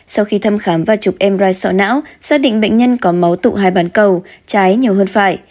sau khi thăm khám và chụp mri sọ não xác định bệnh nhân có máu tụ hai bàn cầu trái nhiều hơn phải